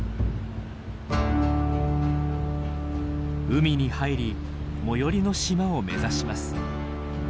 海に入り最寄りの島を目指します。